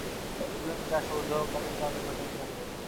তবে দু’জনের কে আসল উদ্ভাবক তা কিন্তু আজও সঠিকভাবে জানা যায়নি।